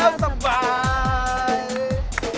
ไปกับพี่แล้วสบาย